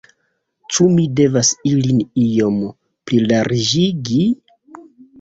Ĉu mi devas ilin iom plilarĝigi?